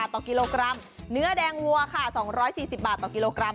ต่อกิโลกรัมเนื้อแดงวัวค่ะ๒๔๐บาทต่อกิโลกรัม